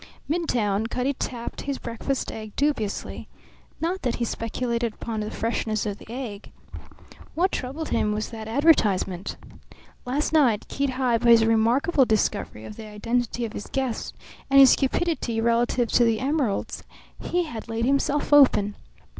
Midtown, Cutty tapped his breakfast egg dubiously. Not that he speculated upon the freshness of the egg. What troubled him was that advertisement. Last night, keyed high by his remarkable discovery of the identity of his guest and his cupidity relative to the emeralds, he had laid himself open.